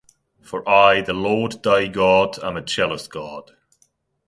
for I the Lord thy God am a jealous God.